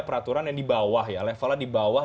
peraturan yang di bawah ya levelnya di bawah